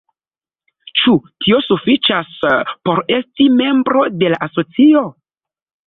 Ĉu tio sufiĉas por esti membro de la asocio?